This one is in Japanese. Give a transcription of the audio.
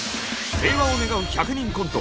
平和を願う１００人コント